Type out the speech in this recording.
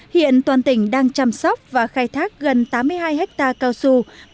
hiện toàn tỉnh đang chăm sóc và khai thác gần tám mươi hai hectare cao su